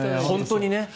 本当にね。